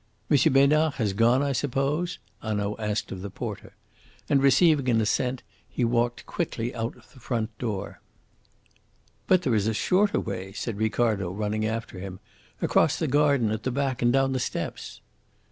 "M. Besnard has gone, I suppose?" Hanaud asked of the porter; and, receiving an assent, he walked quickly out of the front door. "But there is a shorter way," said Ricardo, running after him: "across the garden at the back and down the steps."